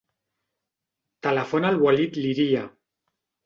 Telefona al Walid Liria.